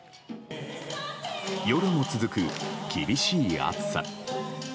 夜も続く、厳しい暑さ。